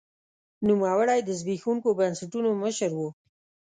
نوموړي د زبېښونکو بنسټونو مشر و.